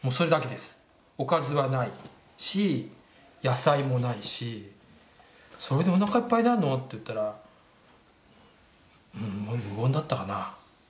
おかずはないし野菜もないし「それでおなかいっぱいになるの？」って言ったら無言だったかなぁ。